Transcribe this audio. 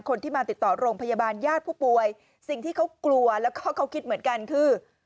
คนที่มาติดต่อโรงพยาบาลญาติผู้ป่วยสิ่งที่เขากลัวแล้วก็เขาคิดเหมือนกันคือ